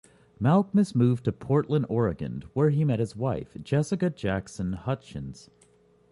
Malkmus moved to Portland, Oregon, where he met his wife, Jessica Jackson Hutchins.